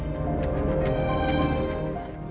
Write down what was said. sekarang madre theresalah